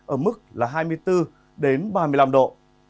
ở mức là hai mươi bốn đến ba mươi năm độ